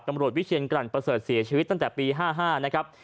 วิเชียนกลั่นประเสริฐเสียชีวิตตั้งแต่ปี๕๕นะครับ